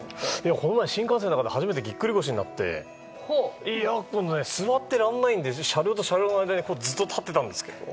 この前、新幹線の中で初めてぎっくり腰になっていや、座ってられないので車両と車両の間にずっと立ってたんです。